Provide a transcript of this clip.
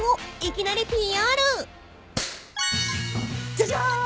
ジャジャン。